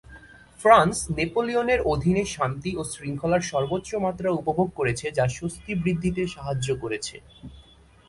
France "নেপোলিয়নের" অধীনে শান্তি ও শৃঙ্খলার সর্বোচ্চ মাত্রা উপভোগ করেছে যা স্বস্তি বৃদ্ধিতে সাহায্য করেছে।